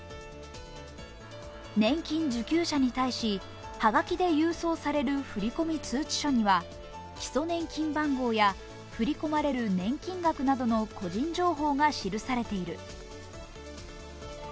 年金受給者に対し、はがきで郵送される振込通知書には基礎年金番号や振り込まれる年金額などの個人情報が記されている。